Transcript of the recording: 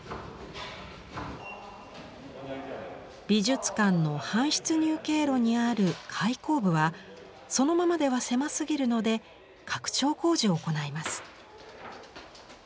美術館の搬出入経路にある開口部はそのままでは狭すぎるので拡張工事を行います。